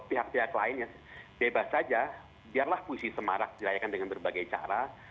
pihak pihak lain yang bebas saja biarlah puisi semarak dirayakan dengan berbagai cara